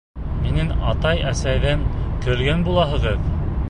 Минең атай-әсәйҙән көлгән булаһығыҙ!